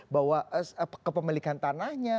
bahwa kepemilikan tanahnya